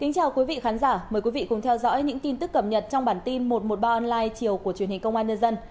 chào mừng quý vị đến với bản tin một trăm một mươi ba online triều của truyền hình công an nhân dân